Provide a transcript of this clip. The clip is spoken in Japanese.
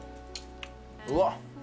うわっ。